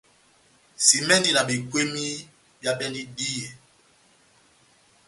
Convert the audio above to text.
Simɛndi na bekweni bia bendi díyɛ.